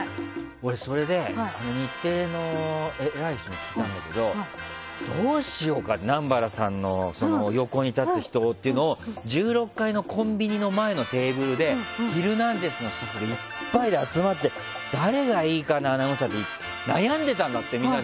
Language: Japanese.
俺それで、日テレの偉い人に聞いたんだけどどうしようか、南原さんの横に立つ人をっていうのを１６階のコンビニの前のテーブルで「ヒルナンデス！」のスタッフいっぱいで集まって誰がいいかなアナウンサーって悩んでたんだって。